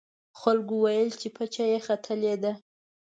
خلکو ویل چې پچه یې ختلې ده.